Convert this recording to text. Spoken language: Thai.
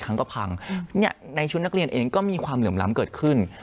เขาก็ไม่ได้เจอผู้คนในสังคมที่แต่งตัวเหมือนกันเพราะฉะนั้นทำไมถึงต้องทำภาพจำในโรงเรียนให้เหมือนกัน